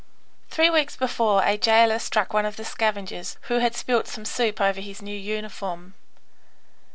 Three weeks before a jailer struck one of the scavengers who had spilt some soup over his new uniform.